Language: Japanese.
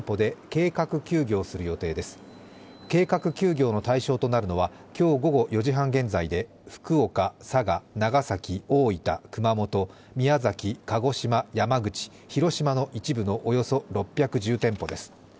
計画休業の対象となるのは今日午後４時半現在で福岡、佐賀、長崎、大分、熊本、宮崎、鹿児島、山口、広島の一部のおよそ６１０店舗です。